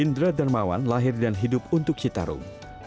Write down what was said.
indra darmawan lahir dan hidup untuk citarum